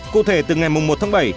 cụ thể từ ngày một tháng bảy